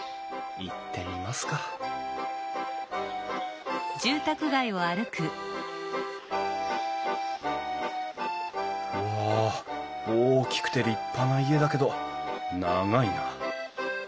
行ってみますかうわ大きくて立派な家だけど長いな。